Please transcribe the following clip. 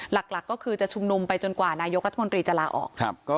หลักก็คือจะชุมนุมไปจนกว่านายกรัฐมนตรีจะลาออก